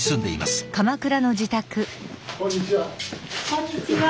こんにちは。